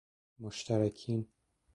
مشترکین